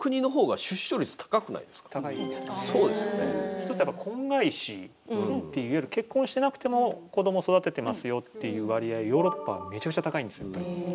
１つ、やっぱり婚外子っていわゆる結婚してなくても子どもを育ててますよっていう割合、ヨーロッパはめちゃくちゃ高いんですよ。